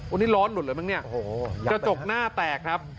วันนี้ร้อนหลุดเลยมั้งเนี่ยโอ้โหกระจกหน้าแตกครับ